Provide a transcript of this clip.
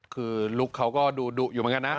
คือลุคเขาก็ดูดุอยู่เหมือนกันนะ